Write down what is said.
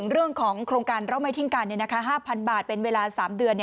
เรื่องของโครงการเราไม่ทิ้งกัน๕๐๐บาทเป็นเวลา๓เดือน